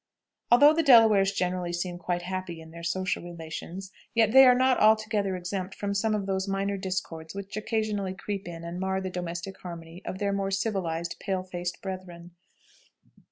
Although the Delawares generally seem quite happy in their social relations, yet they are not altogether exempt from some of those minor discords which occasionally creep in and mar the domestic harmony of their more civilized pale faced brethren.